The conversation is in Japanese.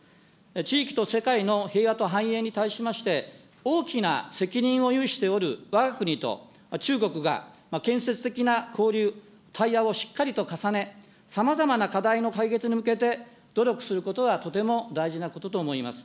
地域と世界の平和と繁栄に対しまして、大きな責任を有しておるわが国と中国が、建設的な交流、対話をしっかりと重ね、さまざまな課題の解決に向けて、努力することはとても大事なことと思います。